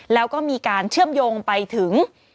แล้วก็มีการเชื่อมโยงไปถึง